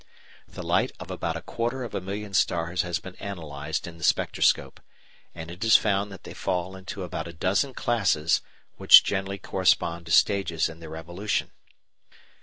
The light of about a quarter of a million stars has been analysed in the spectroscope, and it is found that they fall into about a dozen classes which generally correspond to stages in their evolution (Fig.